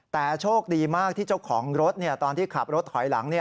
แต่โชคดีมากที่เจ้าของรถตอนที่ขับรถถอยหลัง